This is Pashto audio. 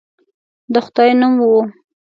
د خدای نوم وو.